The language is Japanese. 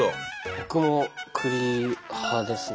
僕も栗派ですね。